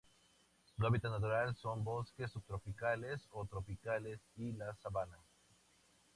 Su hábitat natural son: bosques subtropicales o tropicales y la sabana.